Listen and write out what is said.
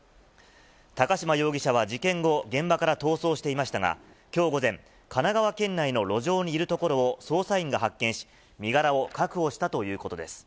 高島容疑者は事件後、現場から逃走していましたが、きょう午前、神奈川県内の路上にいるところを、捜査員が発見し、身柄を確保したということです。